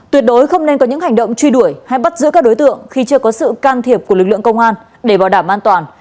tuyệt đối không nên có những hành động truy đuổi hay bắt giữ các đối tượng khi chưa có sự can thiệp của lực lượng công an để bảo đảm an toàn